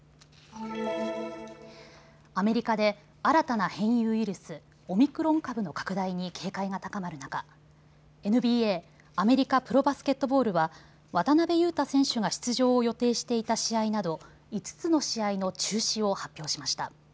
アメリカで新たな変異ウイルス、オミクロン株の拡大に警戒が高まる中、ＮＢＡ・アメリカプロバスケットボールは渡邊雄太選手が出場を予定していた試合など５つの試合の中止を発表しました。